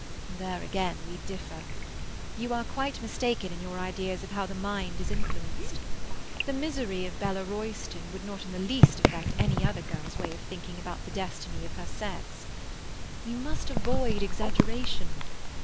"There again we differ. You are quite mistaken in your ideas of how the mind is influenced. The misery of Bella Royston would not in the least affect any other girl's way of thinking about the destiny of her sex. We must avoid exaggeration.